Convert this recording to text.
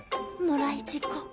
もらい事故